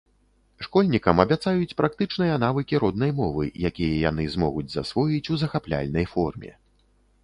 Школьнікам абяцаюць практычныя навыкі роднай мовы, якія яны змогуць засвоіць у захапляльнай форме.